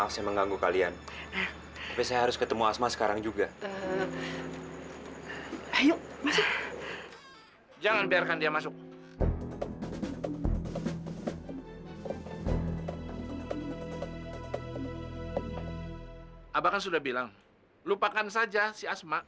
sampai jumpa di video selanjutnya